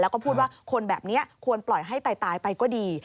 แล้วก็พูดว่าคนแบบนี้ควรปล่อยให้ตายไปก็ดี